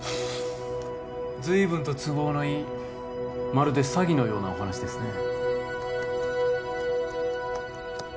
ずいぶんと都合のいいまるで詐欺のようなお話ですね